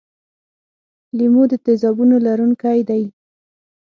لیمو د تیزابونو لرونکی دی.